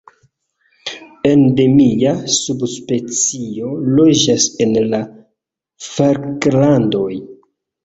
Endemia subspecio loĝas en la Falklandoj.